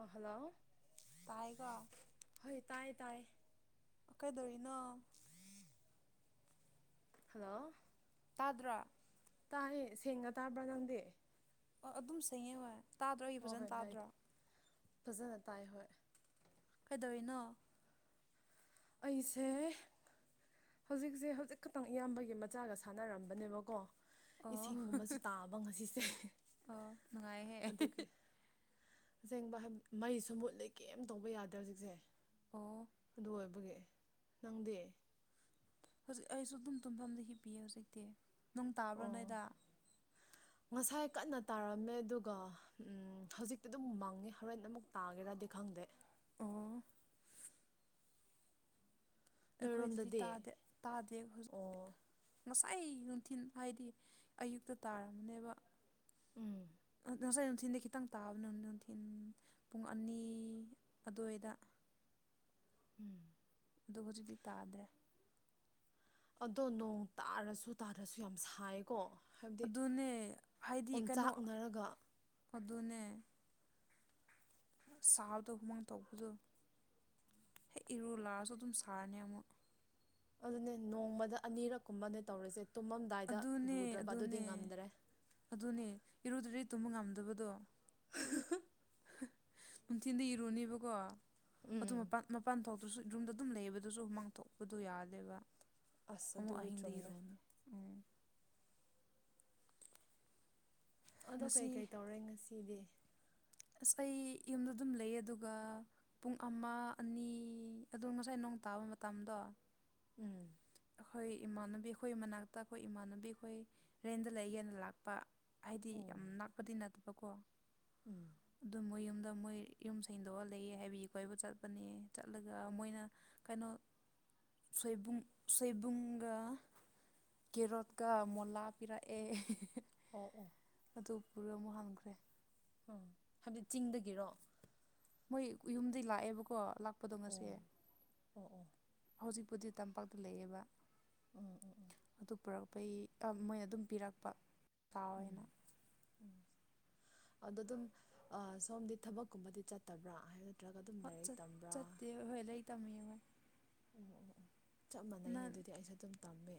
ꯑꯥ hello ꯇꯥꯏꯀꯣ ꯍꯣꯏ ꯇꯥꯏ ꯇꯥꯏ ꯀꯩꯗꯧꯔꯤꯅꯣ ꯍꯜꯂꯣ ꯇꯥꯗ꯭ꯔꯥ ꯇꯥꯏꯌꯦ ꯁꯦꯡꯅ ꯇꯥꯕ꯭ꯔꯥ ꯅꯪꯗꯤ ꯑꯣ ꯑꯗꯨꯝ ꯁꯦꯡꯉꯦꯕ ꯇꯥꯗ꯭ꯔꯣ ꯑꯩꯒꯤ ꯍꯣꯏ ꯐꯖꯅ ꯍꯣꯏ ꯇꯥꯗ꯭ꯔꯣ ꯀꯥꯏꯗꯦ ꯐꯖꯅ ꯇꯥꯏ ꯍꯣꯏ ꯀꯩꯗꯧꯔꯤꯅꯣ ꯑꯩꯁꯦ ꯍꯧꯖꯤꯛꯁꯦ ꯍꯧꯖꯤꯛ ꯈꯛꯇꯪ ꯏꯌꯥꯝꯕꯒꯤ ꯃꯆꯥꯒ ꯁꯥꯟꯅꯔꯝꯕꯅꯦꯕꯀꯣ ꯑꯣ ꯏꯁꯤꯡꯒꯨꯝꯕꯁꯨ ꯇꯥꯕ ꯉꯁꯤꯁꯦ ꯑꯣ ꯅꯨꯡꯉꯥꯏꯍꯦ ꯑꯗꯨꯒꯤ ꯑꯁꯦꯡꯕ ꯍꯥꯏ ꯃꯩꯁꯨ ꯃꯨꯠꯂꯦ ꯀꯩꯝ ꯇꯧꯕ ꯌꯥꯗ꯭ꯔꯦ ꯍꯧꯖꯤꯛꯁꯦ ꯑꯣ ꯑꯗꯨ ꯑꯣꯏ ꯕꯒꯤ ꯅꯪꯗꯤ ꯍꯧꯖꯤꯛ ꯑꯩꯁꯨ ꯑꯗꯨꯝ ꯇꯨꯝꯐꯝꯗ ꯍꯤꯞꯄꯤꯌꯦ ꯍꯧꯖꯤꯛꯇꯤ ꯅꯣꯡ ꯇꯥꯕ꯭ꯔꯥ ꯑꯣ ꯅꯣꯢꯗ ꯉꯁꯥꯏ ꯀꯟꯅ ꯇꯥꯔꯝꯃꯦ ꯑꯗꯨꯒ ꯎꯝ ꯍꯧꯖꯤꯛꯇꯤ ꯑꯗꯨꯝ ꯃꯪꯉꯦ ꯍꯣꯔꯦꯟ ꯑꯃꯨꯛ ꯇꯥꯒꯦꯔꯗꯤ ꯈꯪꯗꯦ ꯑꯣ ꯑꯩꯈꯣꯏꯗꯗꯤ ꯅꯣꯏꯔꯣꯝꯗꯗꯤ ꯇꯥꯗꯦ ꯇꯥꯗꯦ ꯑꯣ ꯍꯨꯖꯤꯛꯇꯤ ꯑꯩ ꯅꯨꯡꯊꯤꯟ ꯍꯥꯏꯗꯤ ꯑꯌꯨꯛꯇ ꯇꯥꯔꯝꯅꯦꯕ ꯎꯝ ꯉꯁꯥꯏ ꯅꯨꯡꯊꯤꯟꯗꯤ ꯈꯤꯇꯪ ꯇꯥꯕꯅꯦ ꯅꯨꯡꯊꯤꯟ ꯄꯨꯡ ꯑꯅꯤ ꯑꯗꯨꯋꯥꯏꯗ [inaudible] ꯎꯝ ꯑꯗꯣ ꯍꯧꯖꯤꯛꯇꯤ ꯇꯥꯗꯦ ꯑꯗꯣ ꯅꯣꯡ ꯇꯥꯔꯁꯨ ꯇꯥꯗ꯭ꯔꯁꯨ ꯌꯥꯝ ꯁꯥꯏꯑꯦꯀꯣ ꯍꯥꯏꯕꯗꯤ ꯑꯗꯨꯅꯦ ꯍꯥꯏꯗꯤ ꯀꯩꯅꯣ ꯑꯣꯝꯆꯥꯛꯅꯔꯒ ꯑꯗꯨꯅꯦ ꯁꯥꯕꯗꯣ ꯍꯨꯃꯥꯡ ꯊꯣꯛꯄꯗꯣ ꯍꯦꯛ ꯏꯔꯨ ꯂꯥꯛꯑꯁꯨ ꯑꯗꯨꯝ ꯁꯥꯔꯅꯤ ꯑꯃꯨꯛ ꯑꯗꯨꯅꯦ ꯅꯣꯡꯃꯗ ꯑꯅꯤꯔꯛꯀꯨꯝꯕꯅꯦ ꯇꯧꯔꯤꯁꯦ ꯇꯨꯝꯃꯝꯗꯥꯏꯗ ꯑꯗꯨꯅꯦ ꯂꯨꯗ꯭ꯔꯕ ꯑꯗꯨꯗꯤ ꯑꯗꯨꯅꯦ ꯉꯝꯗ꯭ꯔꯦ ꯑꯗꯨꯅꯦ ꯏꯔꯨꯗꯔ꯭ꯗꯤ ꯇꯨꯝꯕ ꯉꯝꯗꯕꯗꯣ ꯅꯨꯡꯊꯤꯟꯗꯤ ꯏꯔꯨꯅꯦꯕꯀꯣ ꯑꯗꯨ ꯎꯝ ꯃꯄꯥꯟ ꯃꯄꯥꯟ ꯊꯣꯛ ꯑꯗꯨꯁꯨ ꯔꯨꯝꯗ ꯑꯗꯨꯝ ꯂꯩꯕꯗꯨꯁꯨ ꯍꯨꯃꯥꯡ ꯊꯣꯛꯄꯗꯣ ꯌꯥꯗꯦꯕ ꯑꯁ ꯑꯃꯨꯛ ꯑꯗꯨꯗꯤ ꯑꯍꯤꯡꯗ ꯆꯨꯝꯃꯦ ꯏꯔꯨꯅꯤ ꯑꯗꯣ ꯀꯩ ꯉꯁꯤ ꯀꯩ ꯇꯧꯔꯦ ꯉꯁꯤꯗꯤ ꯑꯁ ꯑꯩ ꯌꯨꯝꯗ ꯑꯗꯨꯝ ꯂꯩꯌꯦ ꯑꯗꯨꯒ ꯄꯨꯡ ꯑꯃ ꯑꯅꯤ ꯑꯗꯣ ꯉꯁꯥꯏ ꯅꯣꯡ ꯇꯥ ꯇꯥꯕ ꯃꯇꯝꯗꯣ ꯎꯝ ꯑꯩꯈꯣꯏ ꯏꯃꯥꯟꯅꯕꯤ ꯈꯣꯏ ꯃꯅꯥꯛꯇ ꯈꯣꯏ ꯏꯃꯥꯟꯅꯕꯤ ꯈꯣꯏ ꯔꯦꯟꯗ ꯂꯩꯒꯦꯅ ꯂꯥꯛꯄ ꯍꯥꯏꯗꯤ ꯑꯣ ꯌꯥꯝ ꯅꯛꯄꯗꯤ ꯅꯠꯇꯕꯀꯣ ꯎꯝ ꯑꯗꯨ ꯃꯣꯢ ꯌꯨꯝ ꯑꯗ ꯃꯣꯏ ꯌꯨꯝ ꯁꯦꯡꯗꯣꯛꯑ ꯂꯩꯑꯦ ꯍꯥꯏꯕꯒꯤ ꯀꯣꯕ ꯆꯠꯄꯅꯦ ꯆꯠꯂꯒ ꯃꯣꯏꯅ ꯀꯩꯅꯣ ꯁꯣꯏꯕꯨꯡ ꯁꯣꯏꯕꯨꯡꯒ ꯀꯦꯔꯣꯠꯀ ꯃꯣꯂꯥ ꯄꯤꯔꯛꯑꯦ ꯑꯣ ꯑꯣ ꯑꯗꯨ ꯄꯨꯔ ꯑꯃꯨꯛ ꯍꯟꯈ꯭ꯔꯦ ꯍꯥꯏꯕꯗꯤ ꯆꯤꯡꯗꯒꯤꯔꯣ ꯃꯣꯏ ꯌꯨꯝꯗꯤ ꯂꯥꯛꯑꯦꯕꯀꯣ ꯂꯥꯛꯄꯗꯣ ꯉꯁꯤ ꯑꯣ ꯑꯣ ꯑꯣ ꯍꯧꯖꯤꯛ ꯄꯨꯗꯤ ꯇꯝꯄꯥꯛꯇ ꯂꯩꯑꯦꯕ ꯎꯝ ꯎꯝ ꯎꯝ ꯑꯗꯨ ꯄꯨꯔꯛ ꯄꯩ ꯑꯥ ꯃꯣꯏꯅ ꯑꯗꯨꯝ ꯄꯤꯔꯛꯄ ꯎꯝ ꯀꯥꯎꯋꯦꯅ ꯑꯗꯣ ꯑꯗꯨꯝ ꯑꯥ ꯁꯣꯝꯗꯤ ꯊꯕꯛꯀꯨꯝꯕꯗꯤ ꯆꯠꯇꯕ꯭ꯔꯥ ꯍꯥꯏ ꯅꯠꯇ꯭ꯔꯒ ꯑꯗꯨꯝ ꯍꯣꯏ ꯂꯥꯏꯔꯤꯛ ꯇꯝꯕ꯭ꯔꯥ ꯆꯠꯇꯦ ꯍꯣꯏ ꯂꯥꯏꯔꯤꯛ ꯇꯝꯃꯤꯌꯦ ꯍꯣꯏ ꯑꯣ ꯑꯣ ꯑꯣ ꯆꯞ ꯃꯥꯟꯅꯩꯅꯦ ꯅꯪ ꯑꯗꯨꯗꯤ ꯑꯩꯁꯨ ꯑꯗꯨꯝ ꯇꯝꯃꯦ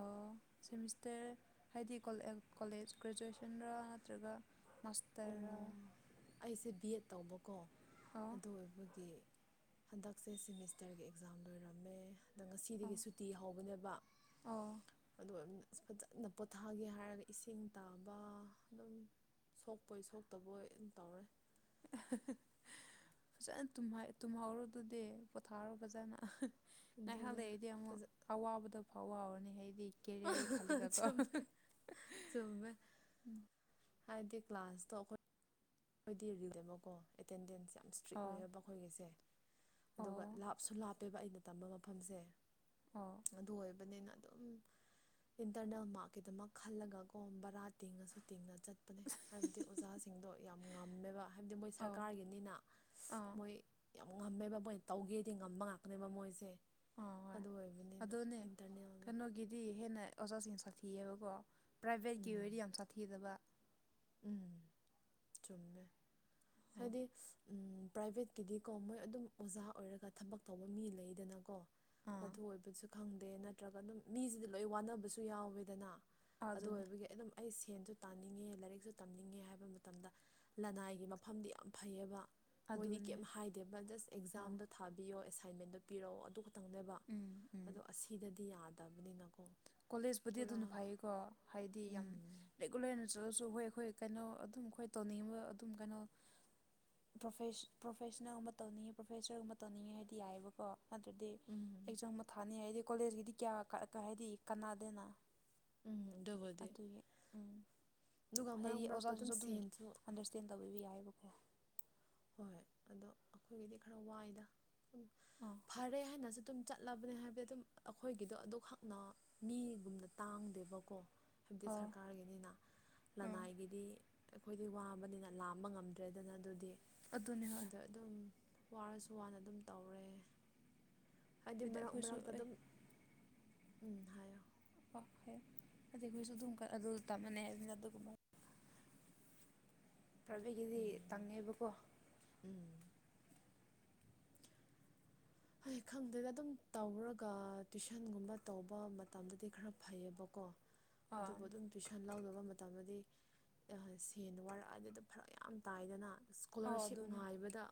ꯑꯣ ꯁꯦꯃꯤꯁꯇꯔ ꯍꯥꯏꯗꯤ ꯀꯣꯂꯦꯖ ꯒ꯭ꯔꯦꯖꯨꯋꯦꯁꯟꯗ ꯅꯠꯇ꯭ꯔꯒ ꯃꯥꯁꯇꯔ ꯔ ꯑꯣ ꯑꯩꯁꯦ ꯕꯤ ꯑꯦꯗ ꯇꯧꯕꯀꯣ ꯑꯗꯨ ꯑꯣꯏꯕꯒꯤ ꯍꯟꯗꯛꯁꯦ ꯁꯤꯃꯤꯁꯇꯔꯒꯤ ꯑꯦꯛꯖꯥꯝ ꯂꯣꯏꯔꯝꯃꯦ ꯑꯗ ꯑꯣ ꯉꯁꯤꯗꯒꯤ ꯁꯨꯇꯤ ꯍꯧꯕꯅꯦꯕ ꯑꯣ ꯑꯗꯨ ꯑ ꯐꯖꯅ ꯄꯣꯊꯥꯒꯦ ꯍꯥꯏꯔꯒ ꯏꯁꯤꯡ ꯇꯥꯕ ꯑꯗꯨꯝ ꯁꯣꯛ ꯄꯣꯏ ꯁꯣꯛꯇꯕꯣꯏꯅ ꯗꯨꯝ ꯇꯧꯔꯦ [unintelligible] ꯐꯖꯅ ꯇꯨꯝꯍꯧꯔꯨ ꯑꯗꯨꯗꯤ ꯄꯣꯊꯥꯔꯣ ꯐꯖꯅ ꯉꯥꯏꯍꯥꯛ ꯑꯗꯨꯅꯦ ꯂꯩꯗꯤ ꯑꯃꯨꯛ ꯐꯖ ꯑꯋꯥꯕꯗꯣ ꯐꯥꯎꯋꯥꯔꯅꯤ ꯍꯥꯏꯗꯤ ꯀꯦꯔꯤꯌꯥꯒꯤ ꯈꯜꯒ ꯀꯣ ꯆꯨꯝꯃꯦ ꯆꯨꯝꯃꯦ [unintelligible] ꯍꯥꯏꯗꯤ ꯀ꯭ꯂꯥꯁꯇꯣ ꯑꯩꯈꯣꯏꯗꯤ ꯔꯤꯂꯦꯕꯀꯣ ꯑꯦꯇꯦꯟꯗꯦꯟꯁ ꯌꯥꯝ ꯏꯁꯇ꯭ꯔꯤꯛ ꯑꯣ ꯑꯣꯏꯌꯦꯕ ꯑꯩꯈꯣꯏꯒꯤꯁꯦ ꯑꯗꯨꯒ ꯑꯣ ꯂꯥꯞꯁꯨ ꯂꯥꯞꯄꯦꯕ ꯑꯩꯅ ꯇꯝꯕ ꯃꯐꯝꯁꯦ ꯑꯣ ꯑꯗꯨ ꯑꯣꯏꯕꯅꯤꯅ ꯑꯗꯨꯝ ꯏꯟꯇꯔꯅꯦꯜ ꯃꯥꯔꯛꯀꯤꯗꯃꯛ ꯈꯜꯂꯒꯀꯣ ꯕꯔꯥ ꯇꯤꯡꯉꯁꯨ ꯇꯤꯡꯅ ꯆꯠꯄꯅꯦ ꯍꯥꯏꯕꯗꯤ ꯑꯣꯖꯥꯁꯤꯡꯗꯣ ꯌꯥꯝ ꯉꯝꯃꯦꯕ ꯍꯥꯏꯕꯗꯤ ꯃꯣꯏ ꯑꯣ ꯁꯔꯀꯥꯔꯒꯤꯅꯤꯅ ꯑꯥ ꯃꯣꯏ ꯌꯥꯝ ꯉꯝꯃꯦꯕ ꯃꯣꯏꯅ ꯇꯧꯒꯦꯗꯤ ꯉꯝꯕ ꯉꯥꯛꯇꯅꯦꯕ ꯃꯣꯏꯁꯦ ꯑ ꯍꯣꯏ ꯑꯗꯨ ꯑꯣꯏꯕꯅꯤꯅ ꯑꯗꯨꯅꯦ ꯏꯟꯇꯔꯅꯦꯜꯗꯣ ꯀꯩꯅꯣꯒꯤꯗꯤ ꯍꯦꯟꯅ ꯑꯣꯖꯥꯁꯤꯡ ꯁꯥꯊꯤꯑꯕꯀꯣ ꯄ꯭ꯔꯥꯏꯕꯦꯠꯀꯤ ꯎꯝ ꯑꯣꯏꯗꯤ ꯌꯥꯝ ꯁꯥꯊꯤꯗꯕ ꯎꯝ ꯆꯨꯃꯦ ꯑꯥ ꯍꯥꯏꯗꯤ ꯎꯝ ꯄ꯭ꯔꯥꯏꯚꯦꯠꯀꯤꯗꯤꯀꯣ ꯃꯣꯏ ꯑꯗꯨꯝ ꯑꯣꯖꯥ ꯑꯣꯏꯔꯒ ꯊꯕꯛ ꯇꯧꯕ ꯃꯤ ꯂꯩꯗꯅꯀꯣ ꯑꯥ ꯑꯗꯨ ꯑꯣꯏꯕꯁꯨ ꯈꯪꯗꯦ ꯅꯠꯇ꯭ꯔꯒ ꯑꯗꯨꯝ ꯃꯤꯁꯤꯗꯤ ꯂꯣꯏ ꯋꯥꯅꯕꯁꯨ ꯌꯥꯎꯋꯦꯗꯅ ꯑꯗꯨ ꯑꯗꯨꯅꯦ ꯑꯣꯏꯕꯒꯤ ꯑꯗꯨꯝ ꯑꯩ ꯁꯦꯟꯁꯨ ꯇꯥꯅꯤꯡꯉꯦ ꯂꯥꯏꯔꯤꯛ ꯁꯨ ꯇꯝꯅꯤꯡꯉꯦ ꯍꯥꯏꯕ ꯃꯇꯝꯗ ꯂꯅꯥꯏꯒꯤ ꯃꯐꯝꯗꯤ ꯌꯥꯝ ꯐꯩꯌꯦꯕ ꯃꯣꯏꯗꯤ ꯑꯗꯨꯅꯦ ꯀꯩꯝ ꯍꯥꯏꯗꯦꯕ ꯖꯁ ꯑꯥ ꯑꯦꯛꯖꯥꯝꯗꯣ ꯊꯥꯕꯤꯌꯣ ꯑꯦꯁꯥꯏꯟꯃꯦꯟꯗꯣ ꯄꯤꯔꯛꯑꯣ ꯑꯗꯨꯒ ꯇꯪꯅꯦꯕ ꯎꯝ ꯎꯝ ꯑꯗꯣ ꯑꯁꯤꯗꯗꯤ ꯌꯥꯗꯕꯅꯤꯅꯀꯣ ꯀꯣꯂꯦꯖꯄꯨꯗꯤ ꯄꯨꯔꯥ ꯑꯗꯨꯅ ꯐꯩꯌꯦꯀꯣ ꯍꯥꯏꯗꯤ ꯌꯥꯝ ꯎꯝ ꯔꯦꯒꯨꯂꯔ ꯑꯣꯏꯅ ꯆꯠꯂꯁꯨ ꯍꯣꯏ ꯑꯩꯈꯣꯏ ꯀꯩꯅꯣ ꯑꯗꯨꯝ ꯑꯩꯈꯣꯏ ꯇꯧꯅꯤꯡꯕ ꯑꯗꯨꯝ ꯀꯩꯅꯣ ꯄ꯭ꯔꯣꯐꯦꯁꯟꯅꯜꯒꯨꯝꯕ ꯇꯧꯅꯤꯡꯉꯤ ꯄ꯭ꯔꯣꯐꯦꯁꯔꯒꯨꯝꯕ ꯇꯧꯅꯤꯡꯉꯦ ꯍꯥꯏꯗꯤ ꯌꯥꯏꯑꯕꯀꯣ ꯑꯗꯨꯗꯤ ꯎꯝ ꯑꯦꯛꯖꯥꯝ ꯑꯃ ꯊꯥꯅꯤ ꯍꯥꯏꯗꯤ ꯀꯣꯂꯦꯖꯀꯤꯗꯤ ꯀꯌꯥ ꯍꯥꯏꯗꯤ ꯀꯥꯟꯅꯥꯗꯦꯅ ꯎꯝ ꯗꯨꯕꯨꯗꯤ ꯎꯝ ꯑꯗꯨꯒ ꯃꯔꯛ ꯍꯥꯏꯗꯤ ꯃꯔꯛꯇ ꯑꯗꯨꯝ ꯑꯣꯖꯥꯁꯤꯡꯁꯨ ꯁꯦꯟꯁꯨ ꯑꯟꯗꯔꯁꯇꯦꯟ ꯇꯧꯕꯤꯕ ꯌꯥꯏꯑꯕꯀꯣ ꯍꯣꯏ ꯍꯣꯏ ꯑꯗꯣ ꯑꯩꯈꯣꯏꯒꯤꯗꯤ ꯈꯔ ꯋꯥꯏꯗ ꯑꯥ ꯐꯔꯦ ꯍꯥꯏꯅꯁꯨ ꯑꯗꯨꯝ ꯆꯠꯂꯕꯅꯦ ꯍꯥꯏꯕꯗꯤ ꯑꯗꯨꯝ ꯑꯩꯈꯣꯏꯒꯤꯗꯣ ꯑꯗꯨꯈꯛꯅ ꯃꯤꯒꯨꯝꯅ ꯇꯥꯡꯗꯦꯕꯀꯣ ꯍꯥꯏꯕꯗꯤ ꯑꯥ ꯁꯔꯀꯥꯔꯒꯤꯅꯤꯅ ꯑꯥ ꯂꯅꯥꯏꯒꯤꯗꯤ ꯑꯩꯈꯣꯏꯗꯤ ꯋꯥꯕꯅꯤꯅ ꯂꯥꯝꯕ ꯉꯝꯗ꯭ꯔꯦꯗꯅ ꯑꯗꯨꯗꯤ ꯑꯗꯨꯅꯦ ꯍꯣꯏ ꯑꯗ ꯑꯗꯨꯝ ꯋꯥꯔꯁꯨ ꯋꯥꯅ ꯑꯗꯨꯝ ꯇꯧꯔꯦ ꯍꯥꯏꯗꯤ ꯃꯔꯛ ꯑꯩꯈꯣꯏꯁꯨ ꯃꯔꯛꯇ ꯑꯩ ꯑꯗꯨꯝ ꯎꯝ ꯍꯥꯏꯌꯣ ꯑꯗꯨ ꯑꯩꯈꯣꯏꯁꯨ ꯑꯗꯨꯝ ꯑꯗꯨ ꯇꯥꯃꯟꯅꯩ ꯍꯥꯏꯕꯅꯤꯅ ꯑꯗꯨꯒ ꯄ꯭ꯔꯥꯏꯕꯦꯇꯒꯤꯗꯤ ꯎꯝ ꯇꯉꯦꯕꯀꯣ ꯎꯝ ꯍꯣꯏ ꯈꯪꯗꯦꯗ ꯑꯗꯨꯝ ꯇꯧꯔꯒ ꯇꯨꯏꯁꯟꯒꯨꯝꯕ ꯇꯧꯕ ꯃꯇꯝꯗꯗꯤ ꯈꯔ ꯐꯩꯌꯦꯕꯀꯣ ꯑꯥ ꯑꯗꯨꯕꯨ ꯑꯗꯨꯝ ꯇꯨꯏꯁꯟ ꯂꯧꯗꯕ ꯃꯇꯝꯗꯗꯤ ꯁꯦꯟ ꯋꯥꯔꯛꯑ ꯑꯗꯨꯗ ꯐꯔꯛ ꯌꯥꯝ ꯇꯥꯏꯗꯅ ꯑꯧ ꯏꯁꯀꯣꯂꯥꯔꯁꯤꯞ ꯑꯗꯨꯅꯦ ꯉꯥꯏꯕꯗ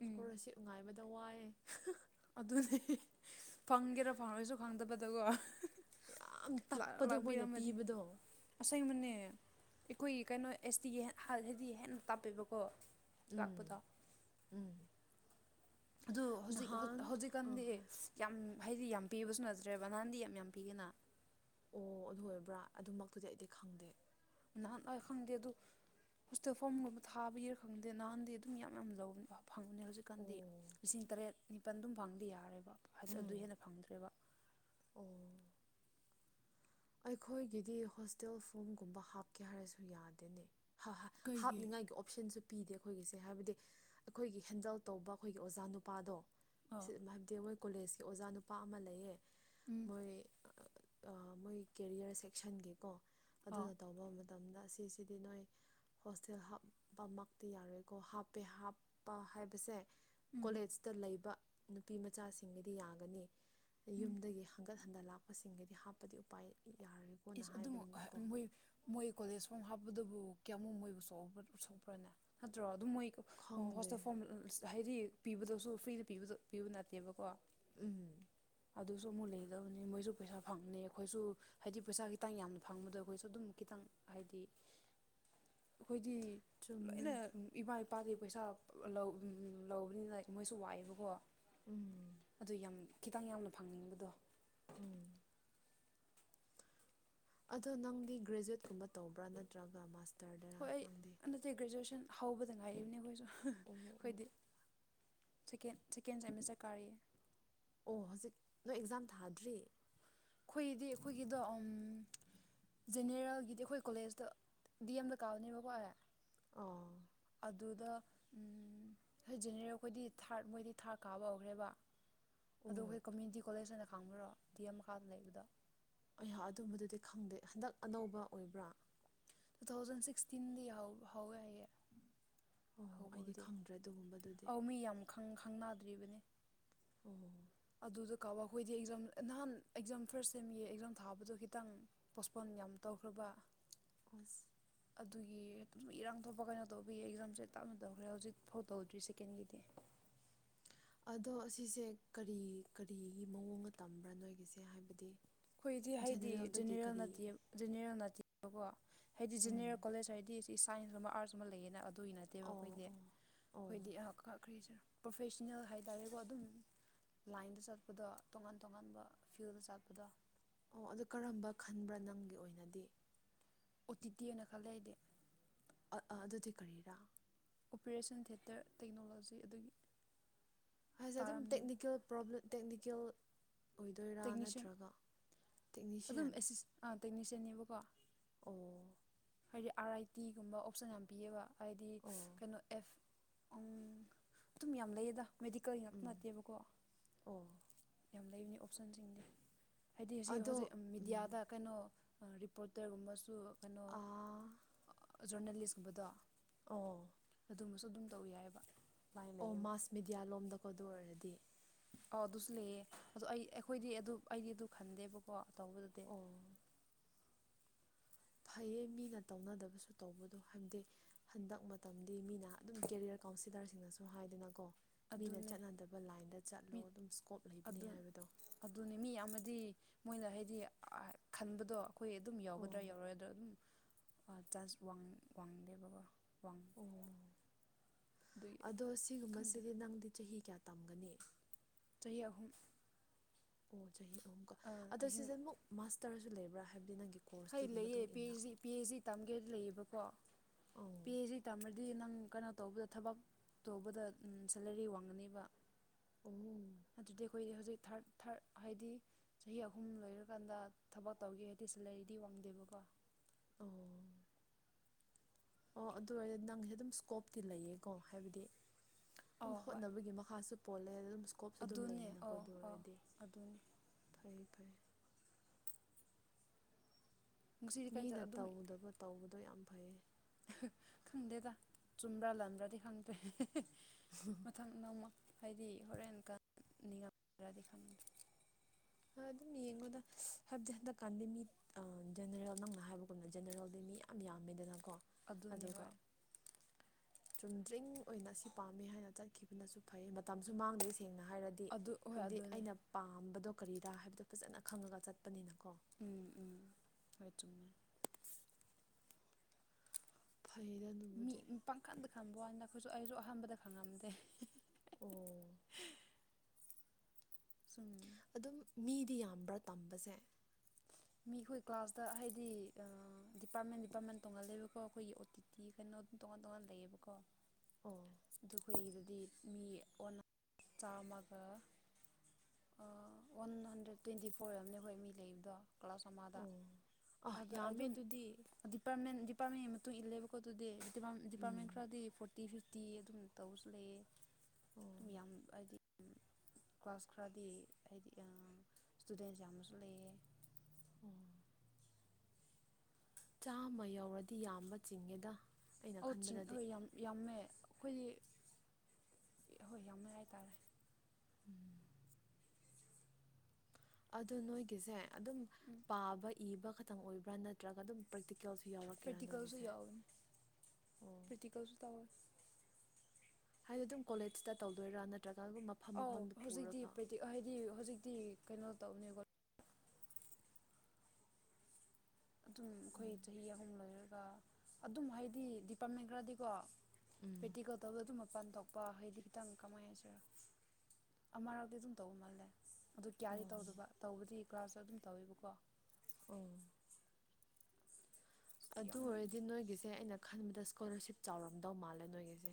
ꯏꯁꯀꯣꯂꯥꯔꯁꯤꯞ ꯉꯥꯏꯕꯗ ꯋꯥꯏꯑꯦ ꯑꯗꯨꯗꯤ ꯐꯪꯒꯦꯔꯥ ꯐꯪꯉꯣꯏꯁꯨ ꯈꯪꯗꯕꯗꯀꯣ ꯌꯥꯝ ꯂꯥꯛ ꯇꯞꯄꯗꯣ ꯃꯣꯏꯅ ꯂꯥꯛꯄꯤꯔꯝꯃꯗꯤ ꯄꯤꯕꯗꯣ ꯑꯁꯦꯡꯕꯅꯦ ꯑꯩꯈꯣꯏꯒꯤ ꯀꯩꯅꯣ ꯑꯦꯁ ꯇꯤꯒꯤ ꯍꯥꯏꯗꯤ ꯍꯦꯟꯅ ꯇꯞꯄꯦꯕꯀꯣ ꯂꯥꯛꯄꯗꯣ ꯎꯝ ꯎꯝ ꯑꯗꯨ ꯍꯧꯖꯤꯛ ꯅꯍꯥꯟ ꯑꯥ ꯍꯧꯖꯤꯛꯀꯥꯟꯗꯤ ꯍꯣꯏ ꯌꯥꯝ ꯍꯥꯏꯗꯤ ꯌꯥꯝ ꯄꯤꯕꯁꯨ ꯅꯠꯇ꯭ꯔꯦꯕ ꯅꯍꯥꯟꯗꯤ ꯌꯥꯝ ꯌꯥꯝ ꯄꯤꯒꯦꯅ ꯑꯣ ꯑꯗꯨ ꯑꯣꯏꯔꯕ꯭ꯔꯥ ꯑꯗꯨꯃꯛꯇꯨꯗꯤ ꯑꯩꯗꯤ ꯈꯪꯗꯦ ꯅꯍꯥꯟ ꯈꯪꯗꯦ ꯑꯗꯨ ꯍꯣꯁꯇꯦꯜ ꯐꯣꯝꯒꯨꯝꯕ ꯊꯥꯕꯒꯤꯔ ꯈꯪꯗꯦ ꯅꯍꯥꯟꯗꯤ ꯑꯗꯨꯝ ꯌꯥꯝ ꯌꯥꯝ ꯂꯧꯕꯅꯦꯕ ꯐꯪꯕꯅꯦ ꯍꯧꯖꯤꯛꯀꯥꯟꯗꯤ ꯑꯣ ꯂꯤꯁꯤꯡ ꯇꯔꯦꯠ ꯅꯤꯄꯜ ꯑꯗꯨꯝ ꯐꯪꯗꯤ ꯌꯥꯔꯦꯕ ꯑꯗꯨ ꯎꯝ ꯍꯦꯟꯅ ꯐꯪꯗ꯭ꯔꯦꯕ ꯑꯣ ꯑꯩꯈꯣꯏꯒꯤꯗꯤ ꯍꯣꯁꯇꯦꯜ ꯐꯣꯝꯒꯨꯝꯕ ꯍꯥꯞꯀꯦ ꯍꯥꯏꯔꯁꯨ ꯌꯥꯗꯦꯅꯦ ꯍ ꯍ ꯀꯩꯒꯤ ꯍꯥꯞꯅꯤꯡꯉꯥꯏꯒꯤ ꯑꯣꯞꯁꯟꯁꯨ ꯄꯤꯗꯦ ꯑꯩꯈꯣꯏꯒꯤꯁꯦ ꯍꯥꯏꯕꯗꯤ ꯑꯩꯈꯣꯏꯒꯤ ꯍꯦꯟꯗꯜ ꯇꯧꯕ ꯑꯩꯈꯣꯏꯒꯤ ꯑꯣꯖꯥ ꯅꯨꯄꯥꯗꯣ ꯑ ꯍꯥꯏꯕꯗꯤ ꯃꯣꯏ ꯀꯣꯂꯦꯖꯀꯤ ꯑꯣꯖꯥ ꯅꯨꯄꯥ ꯑꯃ ꯂꯩꯌꯦ ꯎꯝ ꯃꯣꯏ ꯑꯥ ꯃꯣꯏ ꯀꯦꯔꯤꯌꯔ ꯁꯦꯛꯁꯟꯒꯦꯀꯣ ꯑ ꯑꯗꯨꯅ ꯇꯧꯕ ꯃꯇꯝꯗ ꯑꯁꯤꯁꯤꯗꯤ ꯅꯣꯏ ꯍꯣꯁꯇꯦꯜ ꯍꯥꯞꯄꯃꯛꯇꯤ ꯌꯥꯔꯣꯏꯀꯣ ꯍꯥꯞꯄꯦ ꯍꯥꯞꯄ ꯍꯥꯏꯕꯁꯦ ꯎꯝ ꯀꯣꯂꯦꯖꯇ ꯂꯩꯕ ꯅꯨꯄꯤꯃꯆꯥꯁꯤꯡꯗꯤ ꯌꯥꯒꯅꯤ ꯎꯝ ꯌꯨꯝꯗꯒꯤ ꯍꯪꯒꯠ ꯍꯟꯗ ꯂꯥꯛꯄꯁꯤꯡꯒꯤꯗꯤ ꯍꯥꯞꯄꯗꯤ ꯎꯄꯥꯏ ꯌꯥꯔꯔꯣꯏꯀꯣꯅ ꯏꯁ ꯍꯥꯏꯕꯅꯤꯅꯀꯣ ꯑꯗꯨꯝꯣꯏ ꯃꯣꯏ ꯀꯣꯂꯦꯖ ꯃꯨꯛ ꯍꯥꯞ ꯗꯗꯨꯕꯨ ꯀꯌꯥꯃꯨꯛ ꯃꯣꯏꯕꯨ ꯁꯣꯛꯄ꯭ꯔꯅꯦ ꯅꯠꯇ꯭ꯔꯣ ꯑꯗꯨꯝ ꯃꯣꯏ ꯈꯪꯗꯦ ꯍꯣꯁꯇꯦꯜ ꯐꯣꯝ ꯍꯥꯏꯗꯤ ꯄꯤꯕꯗꯁꯨ ꯐ꯭ꯔꯤꯗ ꯄꯕ ꯄꯤꯕ ꯅꯠꯇꯦꯕꯀꯣ ꯎꯝ ꯑꯗꯨꯁꯨ ꯑꯃꯨꯛ ꯂꯩꯒꯗꯕꯅꯤ ꯃꯣꯏꯁꯨ ꯄꯩꯁꯥ ꯐꯪꯅꯤ ꯑꯩꯈꯣꯏꯁꯨ ꯍꯥꯏꯗꯤ ꯄꯩꯁꯥ ꯈꯤꯇꯪ ꯌꯥꯝꯅ ꯐꯪꯕꯗ ꯑꯩꯈꯣꯏꯁꯨ ꯑꯗꯨꯝ ꯈꯤꯇꯪ ꯍꯥꯏꯗꯤ ꯑꯈꯣꯏꯗꯤ ꯆꯨꯝꯃꯦ ꯂꯣꯏꯅ ꯏꯃꯥ ꯏꯄꯥꯒꯤ ꯄꯩꯁꯥ ꯂꯧ ꯂꯧꯕꯅꯤꯅ ꯃꯣꯏꯁꯨ ꯋꯥꯏꯑꯦꯕꯀꯣ ꯎꯝ ꯑꯗꯨ ꯌꯥꯝ ꯈꯤꯇꯪ ꯌꯥꯝꯅ ꯐꯪꯅꯤꯡꯕꯗꯣ ꯎꯝ ꯑꯗꯣ ꯅꯪꯗꯤ ꯒ꯭ꯔꯦꯖꯨꯋꯦꯠꯀꯨꯝꯕ ꯇꯧꯕ꯭ꯔꯥ ꯅꯠꯇ꯭ꯔꯒ ꯃꯥꯁ ꯍꯣꯏ ꯑꯩ ꯍꯟꯗꯠꯇꯤ ꯒ꯭ꯔꯦꯖꯨꯋꯦꯁꯟ ꯍꯧꯕꯗ ꯉꯥꯏꯔꯤꯕꯅꯦ ꯑꯩꯈꯣꯏꯁꯨ ꯑꯣ ꯑꯣ ꯑꯩꯈꯣꯏꯗꯤ ꯁꯦꯀꯦꯟ ꯁꯦꯀꯦꯟ ꯁꯦꯃꯤꯁꯇꯔ ꯀꯥꯔꯤꯌꯦ ꯑꯣ ꯍꯧꯖꯤꯛ ꯅꯣꯏ ꯑꯦꯛꯖꯥꯝ ꯊꯥꯗ꯭ꯔꯤ ꯈꯣꯏꯗꯤ ꯑꯩꯈꯣꯏꯒꯤꯗꯣ ꯎꯝ ꯖꯦꯅꯦꯔꯦꯜꯒꯤꯗꯤ ꯑꯩꯈꯣꯏ ꯀꯣꯂꯦꯖꯇ ꯗꯤ ꯑꯦꯝꯗ ꯀꯥꯎꯕꯅꯦꯕꯀꯣ ꯑꯩ ꯑꯣ ꯑꯗꯨꯗ ꯁꯣꯏꯖꯤꯅꯦꯔꯦ ꯑꯩꯈꯣꯏꯗꯤ ꯊꯥꯔꯠ ꯃꯣꯏꯗꯤ ꯊꯥꯔ ꯀꯥꯕ ꯍꯧꯈ꯭ꯔꯦꯕ ꯑꯗꯣ ꯑꯣ ꯑꯩꯈꯣꯏ ꯀꯝꯃ꯭ꯌꯨꯅꯤꯇꯤ ꯀꯣꯂꯦꯖ ꯑꯣꯏꯅ ꯈꯥꯡꯕꯔꯣ ꯗꯤ ꯑꯦꯝ ꯃꯈꯥꯗ ꯂꯩꯕꯗꯣ ꯑꯩꯍꯥꯛ ꯑꯗꯨꯝꯕꯗꯨꯗꯤ ꯈꯪꯗꯦ ꯍꯟꯗꯛ ꯑꯅꯧꯕ ꯑꯣꯏꯕ꯭ꯔꯥ ꯇꯨ ꯊꯥꯎꯖꯟ ꯁꯤꯛꯁꯇꯤꯟ ꯗꯤ ꯍꯧ ꯍꯥꯎ ꯌꯦ ꯍꯥꯏꯌꯦ ꯑꯣ ꯑꯩꯗꯤ ꯍꯧꯕꯕꯨꯗꯤ ꯈꯪꯗ꯭ꯔꯦ ꯑꯗꯨꯒꯨꯝꯕꯗꯨꯗꯤ ꯑꯧ ꯃꯤ ꯌꯥꯝ ꯈꯪ ꯈꯪꯅꯗ꯭ꯔꯤꯕꯅꯤ ꯎꯝ ꯑꯗꯨꯗ ꯀꯥꯎꯕ ꯑꯩꯈꯣꯏꯗꯤ ꯑꯦꯛꯖꯥꯝ ꯅꯍꯥꯟ ꯑꯦꯛꯖꯥꯝ ꯐꯥꯔꯁ ꯁꯦꯝꯒꯤ ꯑꯦꯛꯖꯥꯝ ꯊꯥꯕꯗꯣ ꯈꯤꯇꯪ ꯄꯣꯁꯄꯣꯟ ꯌꯥꯝ ꯇꯧꯈ꯭ꯔꯕ ꯑꯣꯁ ꯑꯗꯨꯒꯤ ꯑꯗꯨꯝ ꯏꯔꯥꯡ ꯊꯣꯛꯄ ꯀꯩꯅꯣ ꯇꯧꯕꯤ ꯑꯦꯛꯖꯥꯝꯁꯦ ꯇꯞꯅ ꯇꯧꯈ꯭ꯔꯦ ꯍꯧꯖꯤꯛꯐꯥꯎ ꯇꯧꯗ꯭ꯔꯤ ꯁꯦꯀꯦꯟꯒꯤꯗꯤ [inaudible] ꯑꯗꯣ ꯑꯁꯤꯁꯦ ꯀꯔꯤ ꯀꯔꯤꯒꯤ ꯃꯑꯣꯡꯒ ꯇꯝꯕ꯭ꯔꯥ ꯅꯣꯏꯒꯤꯁꯦ ꯍꯥꯏꯕꯗꯤ ꯑꯈꯣꯏꯗꯤ ꯍꯥꯏꯗꯤ ꯖꯦꯅꯦꯔꯦꯜꯗꯒꯤ ꯖꯦꯅꯦꯔꯦꯜ ꯀꯔꯤ ꯅꯠꯇꯤꯌꯦ ꯖꯦꯅꯦꯔꯦꯜ ꯅꯠꯇꯦꯕꯀꯣ ꯍꯥꯏꯗꯤ ꯎꯝ ꯖꯦꯅꯦꯔꯦꯜ ꯀꯣꯂꯦꯖ ꯑꯣꯏꯗꯤ ꯁꯤꯁ ꯁꯥꯏꯟꯁ ꯒꯨꯝꯕ ꯑꯥꯔꯠꯁ ꯒꯨꯝꯕ ꯂꯩꯌꯦꯅꯥ ꯑꯗꯨꯒꯤ ꯅꯠꯇꯦꯕ ꯑꯣ ꯑꯈꯣꯏꯗꯤ ꯑꯣ ꯑꯣ ꯑꯈꯣꯏꯗꯤ ꯑ ꯀ ꯀꯔꯤ ꯍꯥꯢꯁꯤꯔ ꯄ꯭ꯔꯣꯐꯦꯁꯅꯦꯜ ꯍꯥꯏꯇꯥꯔꯦꯀꯣ ꯑꯗꯨꯝ ꯂꯥꯏꯟꯗ ꯆꯠꯄꯗꯣ ꯇꯣꯉꯥꯟ ꯇꯣꯉꯥꯟꯕ ꯐꯤꯜꯗ ꯆꯠꯄꯗꯣ ꯑꯣ ꯑꯗꯨ ꯀꯔꯝꯕ ꯈꯟꯕ꯭ꯔꯥ ꯅꯪꯒꯤ ꯑꯣꯏꯅꯗꯤ ꯑꯣꯇꯤꯇꯤ ꯑꯣꯢꯅ ꯈꯜꯂꯦ ꯑꯩꯗꯤ ꯑꯠ ꯑ ꯑꯗꯨꯗꯤ ꯀꯔꯤꯔꯥ ꯑꯣꯄꯦꯔꯦꯁꯟ ꯊ꯭ꯌꯤꯌꯦꯇꯔ ꯇꯦꯛꯅꯣꯂꯣꯖꯤ ꯑꯗꯨꯒꯤ ꯍꯥꯏꯁꯦ ꯑꯗꯨꯝ ꯇꯥꯔꯝꯅꯤꯅ ꯇꯦꯛꯅꯤꯀꯦꯜ ꯄ꯭ꯔꯣꯕ꯭ꯂꯦꯝ ꯇꯦꯛꯅꯤꯀꯦꯜ ꯑꯣꯏꯗꯣꯏꯔꯥ ꯇꯦꯛꯅꯤꯁꯤꯌꯥꯟ ꯅꯠꯇ꯭ꯔꯒ ꯇꯦꯛꯅꯤꯁꯤꯌꯟ ꯇꯦꯛꯅꯤꯁꯤꯌꯟꯅꯦꯕꯀꯣ ꯍꯥꯏꯗꯤ ꯑꯥꯔ ꯑꯥꯏ ꯇꯤꯒꯨꯝꯕ ꯑꯣꯞꯁꯟ ꯌꯥꯝ ꯄꯤꯌꯦꯕ ꯍꯥꯏꯗꯤ ꯑꯣ ꯀꯩꯅꯣ ꯑꯦꯐ ꯎꯝ ꯑꯗꯨꯝ ꯌꯥꯝ ꯂꯩꯌꯦꯗ ꯃꯦꯗꯤꯀꯦꯜꯒꯤ ꯉꯥꯛꯇ ꯎꯝ ꯅꯠꯇꯦꯕꯀꯣ ꯑꯣ ꯌꯥꯝ ꯂꯩꯕꯅꯤ ꯑꯣꯞꯁꯟꯁꯤꯡꯗꯤ ꯍꯥꯏꯗꯤ ꯍꯨꯖꯤꯛ ꯍꯣꯖꯤꯛ ꯎꯝ ꯃꯦꯗꯤꯌꯥꯗ ꯀꯩꯅꯣ ꯑ ꯔꯤꯄꯣꯔꯇꯔ ꯒꯨꯝꯕꯁꯨ ꯑꯥ ꯑ ꯖꯣꯔꯅꯦꯂꯤꯁ ꯀꯨꯝꯕꯗꯣ ꯑꯣ ꯑꯗꯨꯃꯁꯨ ꯑꯗꯨꯝ ꯇꯧꯋꯤ ꯌꯥꯏꯌꯦꯕ ꯑꯣ ꯃꯥꯁ ꯃꯦꯗꯤꯌꯥ ꯂꯣꯝꯗꯀꯣ ꯑꯗꯨ ꯑꯣꯏꯔꯗꯤ ꯑꯣ ꯑꯗꯨꯁꯨ ꯂꯩꯌꯦ ꯑꯗꯣ ꯑꯩ ꯑꯩꯈꯣꯏꯗꯤ ꯑꯗꯨ ꯑꯩꯗꯤ ꯑꯗꯨ ꯈꯟꯗꯦꯕꯀꯣ ꯇꯧꯕꯗꯗꯤ ꯑꯣ ꯐꯩꯌꯦ ꯃꯤꯅ ꯇꯧꯅꯗꯕꯁꯨ ꯇꯧꯕꯗꯣ ꯍꯥꯏꯕꯗꯤ ꯍꯟꯗꯛ ꯃꯇꯝꯗꯤ ꯃꯤꯅ ꯑꯗꯨꯝ ꯀꯦꯔꯤꯌꯔ ꯀꯥꯎꯟꯁꯤꯜꯂꯔꯁꯤꯡꯅꯁꯨ ꯍꯥꯏꯗꯅꯥꯀꯣ ꯃꯤꯅ ꯑꯗꯨꯅꯦ ꯆꯠꯅꯗꯕ ꯂꯥꯏꯟꯗ ꯆꯠꯂꯣ ꯃꯤ ꯑꯗꯨꯝ ꯁ꯭ꯀꯣꯞ ꯂꯩꯕꯅꯤ ꯑꯗꯨ ꯍꯥꯏꯕꯗꯣ ꯑꯗꯨꯅꯦ ꯃꯤ ꯌꯥꯝꯔꯗꯤ ꯃꯣꯏꯅ ꯍꯥꯏꯗꯤ ꯈꯟꯕꯗꯣ ꯑꯈꯣꯏ ꯑꯗꯨꯝ ꯌꯥꯎꯒꯗ꯭ꯔꯥ ꯑꯣ ꯌꯥꯎꯔꯣꯏꯗ꯭ꯔ ꯑꯗꯨꯝ ꯑ ꯆꯥꯔꯖ ꯋꯥꯡ ꯋꯥꯡꯗꯦꯕꯀꯣ ꯋꯥꯡ ꯑꯣ ꯑꯗꯨꯒꯤ ꯑꯗꯣ ꯈꯪꯗꯦꯗ ꯁꯤꯒꯨꯝꯕꯁꯤꯗꯤ ꯅꯪꯗꯤ ꯆꯍꯤ ꯀꯌꯥ ꯇꯝꯒꯅꯤ ꯆꯍꯤ ꯑꯍꯨꯝ ꯑꯣ ꯆꯍꯤ ꯑꯍꯨꯝ ꯀ ꯑꯗꯣ ꯑꯍꯤꯡ ꯁꯤꯖꯟ ꯃꯨꯛ ꯃꯥꯁꯇꯔꯁꯨ ꯂꯩꯕ꯭ꯔꯥ ꯍꯥꯏꯕꯗꯤ ꯅꯪꯒꯤ ꯍꯣꯢ ꯀꯣꯔꯁꯇꯨꯒꯤ ꯂꯩꯌꯦ ꯃꯇꯨꯡ ꯄꯤ ꯏꯟꯅ ꯍꯩꯁ ꯗꯤ ꯄꯤ ꯍꯩꯁ ꯗꯤ ꯇꯝꯒꯦꯗꯤ ꯂꯩꯌꯦꯕꯀꯣ ꯄꯤ ꯑꯣ ꯍꯩꯁ ꯗꯤ ꯇꯝꯔꯗꯤ ꯅꯪ ꯀꯅꯣ ꯇꯧꯕꯗ ꯊꯕꯛ ꯇꯧꯕꯗ ꯎꯝ ꯁꯦꯂꯔꯤ ꯋꯥꯡꯒꯅꯤꯕ ꯑꯣ ꯑꯗꯨꯗꯤ ꯑꯈꯣꯏꯗꯤ ꯍꯧꯖꯤꯛ ꯊꯔꯠ ꯊꯔꯠ ꯍꯥꯏꯗꯤ ꯆꯍꯤ ꯑꯍꯨꯝ ꯂꯣꯏꯔꯀꯥꯟꯗ ꯊꯕꯛ ꯇꯧꯒꯦ ꯍꯥꯏꯗꯤ ꯁꯨ ꯂꯩ ꯗꯤ ꯋꯥꯡꯗꯦꯕꯀꯣ ꯑꯣ ꯑꯣ ꯑꯗꯨ ꯑꯣꯏꯔꯗꯤ ꯅꯪꯖꯦ ꯑꯗꯨꯝ ꯁ꯭ꯀꯣꯞꯇꯤ ꯂꯩꯌꯦꯀꯣ ꯍꯥꯏꯕꯗꯤ ꯑꯗꯨꯝ ꯑꯧ ꯍꯣꯏ ꯍꯣꯠꯅꯕꯒꯤ ꯃꯈꯥꯁꯨ ꯄꯣꯜꯂꯦꯗ ꯑꯗꯨꯝ ꯁ꯭ꯀꯣꯞꯁꯨ ꯑꯗꯨꯝ ꯑꯗꯨꯅꯦ ꯂꯩꯌꯦꯅꯀꯣ ꯑꯧ ꯑꯗꯨ ꯑꯧ ꯑꯣꯏꯔꯗꯤ ꯑꯗꯨꯅꯦ ꯐꯩ ꯐꯩ ꯉꯁꯤꯗꯤ ꯀꯥꯏ ꯆꯠ ꯃꯤꯅ ꯑꯗꯨꯝ ꯇꯧꯗꯕ ꯇꯧꯕꯗꯣ ꯌꯥꯝ ꯐꯩꯌꯦ ꯈꯪꯗꯦꯗ ꯆꯨꯝꯕ꯭ꯔꯥ ꯂꯥꯟꯕ꯭ꯔꯥꯗꯤ ꯈꯪꯗ꯭ꯔꯦ ꯃꯊꯪ ꯅꯣꯡꯃ ꯍꯥꯏꯗꯤ ꯍꯣꯔꯦꯟ [unintelligible] ꯈꯪꯗꯦ ꯑꯗꯨꯝ ꯌꯦꯡꯉꯣꯗ ꯍꯥꯏꯕꯗꯤ ꯍꯟꯗꯛꯀꯥꯟꯗꯤ ꯃꯤ ꯖꯦꯅꯔꯦꯜ ꯅꯪꯅ ꯍꯥꯏꯕꯒꯨꯝꯅ ꯖꯦꯅꯔꯦꯜ ꯃꯤꯌꯥꯝ ꯌꯥꯝꯃꯤꯗꯅ ꯑꯗꯨꯅꯤ ꯍꯣꯏ ꯆꯨꯝꯗ꯭ꯔꯤꯡ ꯑꯣꯏꯅ ꯑꯁꯤ ꯄꯥꯝꯃꯦ ꯍꯥꯏꯅ ꯆꯠꯈꯤꯕꯅꯁꯨ ꯐꯩ ꯃꯇꯝꯁꯨ ꯃꯥꯡꯗꯦ ꯁꯦꯡꯅ ꯍꯥꯏꯔꯗꯤ ꯑꯗꯨ ꯍꯣꯏ ꯍꯥꯏꯕꯗꯤ ꯑꯗꯨꯅꯦ ꯑꯩꯅ ꯄꯥꯝꯕꯗꯣ ꯀꯔꯤꯔꯥ ꯍꯥꯏꯕꯗꯣ ꯐꯖꯅ ꯈꯪꯉꯒ ꯆꯠꯄꯅꯤꯅ ꯎꯝ ꯎꯝ ꯍꯣꯏ ꯆꯨꯃꯃꯦ ꯐꯩꯗ ꯃꯤ ꯑꯗꯨꯕꯨꯗꯤ ꯄꯥꯡꯈꯟꯗ ꯈꯪꯕ ꯋꯥ ꯅ ꯑꯩꯈꯣꯏꯁꯨ ꯑꯩꯁꯨ ꯑꯍꯥꯟꯕꯗ ꯈꯪꯉꯝꯗꯦ ꯑꯣ ꯁꯨꯝ ꯑꯗꯨꯝ ꯃꯤꯗꯤ ꯌꯥꯝꯕ꯭ꯔꯥ ꯇꯝꯕꯁꯦ ꯃꯤꯈꯣꯏ ꯀ꯭ꯂꯥꯁꯇ ꯍꯥꯏꯗꯤ ꯗꯤꯄꯥꯔꯠꯃꯦꯟ ꯗꯤꯄꯥꯔꯠꯃꯦꯟ ꯇꯣꯡꯍꯜꯂꯦꯕꯀꯣ ꯑꯩꯈꯣꯏꯒꯤ ꯑꯣ ꯇꯤ ꯇꯤ ꯀꯩꯅꯣ ꯑꯗꯨꯝ ꯇꯣꯉꯥꯟ ꯇꯣꯉꯥꯟ ꯂꯩꯌꯦꯕꯀꯣ ꯑꯣ ꯑꯗꯨ ꯑꯩꯈꯣꯏꯒꯤꯗꯗꯤ ꯃꯤ ꯆꯥꯝꯃꯒ ꯋꯥꯟ ꯍꯟꯗ꯭ꯔꯦꯠ ꯇ꯭ꯋꯦꯟꯇꯤ ꯐꯣꯔ ꯑꯣꯏꯝꯅꯦ ꯍꯣꯏ ꯃꯤ ꯂꯩꯕꯗꯣ ꯀ꯭ꯂꯥꯁ ꯑꯃꯗ ꯑꯣ ꯑꯥ ꯌꯥꯝꯃꯦ ꯑꯗꯨꯝ ꯑꯗꯨꯗꯤ ꯗꯤꯄꯥꯔꯠꯃꯦꯟ ꯗꯤꯄꯥꯔꯠꯃꯦꯟ ꯇꯨꯡ ꯏꯜꯂꯦꯕꯀꯣ ꯑꯗꯨꯗꯤ ꯗꯤꯄꯥꯔꯠꯃꯦꯟ ꯎꯝ ꯈꯔꯗꯤ ꯐꯣꯔꯇꯤ ꯐꯤꯐꯇꯤ ꯑꯗꯨꯝ ꯇꯧꯕꯁꯨ ꯂꯩꯑ ꯑꯣ ꯌꯥꯝ ꯑꯗꯤ ꯀ꯭ꯂꯥꯁ ꯈꯔꯗꯤ ꯍꯥꯗꯤ ꯑꯥ ꯏꯁꯇꯨꯗꯦꯟꯁ ꯌꯥꯝꯕꯁꯨ ꯂꯩꯌꯦ ꯎ [inaudible] ꯆꯥꯃ ꯌꯧꯔꯗꯤ ꯌꯥꯝꯕ ꯆꯤꯡꯉꯦꯗ ꯑꯩꯅ ꯑꯧ ꯈꯟꯕꯗꯗꯤ ꯆꯤꯡꯑꯦ ꯌꯥꯝ ꯌꯥꯝꯃꯦ ꯑꯩꯈꯣꯏꯗꯤ ꯍꯣꯏ ꯌꯥꯝꯃꯦ ꯍꯥꯏꯇꯥꯥꯔꯦ ꯎꯝ ꯑꯗꯣ ꯅꯣꯏꯒꯤꯁꯦ ꯑꯗꯨꯝ ꯄꯥꯕ ꯏꯕ ꯈꯛꯇꯪ ꯑꯣꯏꯕ꯭ꯔꯥ ꯅꯠꯇ꯭ꯔꯒ ꯑꯗꯨꯝ ꯄ꯭ꯔꯛ ꯇꯤꯀꯦꯜꯁꯨ ꯌꯥꯎꯔꯛꯀꯦꯔꯥ ꯄ꯭ꯔꯦꯛꯇꯤꯀꯜꯁꯨ ꯅꯣꯏꯒꯤꯁꯦ ꯌꯥꯎꯋꯦ ꯑꯣ ꯄ꯭ꯔꯦꯛꯇꯤꯀꯦꯜꯁꯨ ꯇꯧꯋꯦ ꯍꯥꯏꯗꯤ ꯑꯗꯨꯝ ꯀꯣꯂꯦꯖꯇ ꯇꯧꯗꯣꯏꯔꯥ ꯅꯠꯇ꯭ꯔꯥ ꯑꯧ ꯍꯧꯖꯤꯛꯇꯤ ꯄ꯭ꯔꯦꯛꯇꯤ ꯍꯥꯏꯗꯤ ꯍꯧꯖꯤꯛꯇꯤ ꯀꯩꯅꯣ ꯇꯧꯅꯦꯀꯣ ꯑꯗꯨꯝ ꯑꯩꯈꯣꯏ ꯆꯍꯤ ꯑꯍꯨꯝ ꯂꯣꯏꯔꯒ ꯑꯗꯨꯝ ꯍꯥꯏꯗꯤ ꯗꯤꯄꯥꯔꯠꯃꯦꯟ ꯈꯔꯗꯤꯀꯣ ꯎꯝ ꯄ꯭ꯔꯦꯛꯇꯤꯀꯦꯜ ꯇꯧꯋꯦ ꯑꯗꯨꯝꯛ ꯃꯄꯥꯟ ꯊꯣꯛꯄ ꯍꯩꯗꯤ ꯈꯤꯇꯪ ꯀꯃꯥꯏꯅ ꯍꯥꯏꯁꯤꯔ ꯑꯃꯔꯛꯇꯤ ꯑꯗꯨꯝ ꯇꯧꯕ ꯃꯥꯜꯂꯦ ꯑꯗꯨ ꯀꯌꯥꯗꯤ ꯑꯣ ꯇꯧꯗꯕ ꯇꯧꯕꯗꯤ ꯀ꯭ꯂꯥꯁꯇ ꯑꯗꯨꯝ ꯇꯧꯋꯦꯕꯀꯣ ꯎꯝ ꯑꯗꯨ ꯌꯥꯝ ꯑꯣꯏꯔꯗꯤ ꯅꯣꯏꯒꯤꯁꯦ ꯑꯩꯅ ꯈꯟꯕꯗ ꯏꯁꯀꯣꯂꯥꯔꯁꯤꯞ ꯆꯥꯎꯔꯝꯗꯧ ꯃꯥꯜꯂꯦ ꯅꯣꯏꯒꯤꯁꯦ